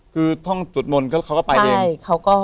คือท่องสวดมนต์เขาก็ไปเอง